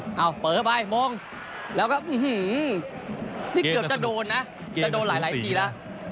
เอ้าเป๋อไปโมงแล้วก็นี่เกือบจะโดนนะจะโดนหลายทีแล้ว